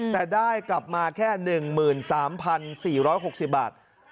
แต่ได้กลับมาแค่๑๓๔๖๐บาท